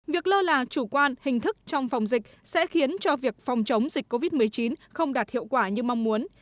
việc lơ là chủ quan hình thức trong phòng dịch sẽ khiến cho việc phòng chống dịch covid một mươi chín không đạt hiệu quả như mong muốn